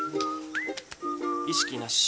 意識なし。